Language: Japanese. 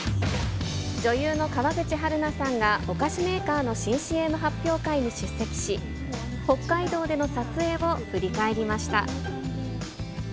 女優の川口春奈さんが、お菓子メーカーの新ＣＭ発表会に出席し、北海道での撮影を振り返りました。